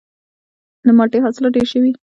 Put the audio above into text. د مالټې حاصلات ډیر شوي؟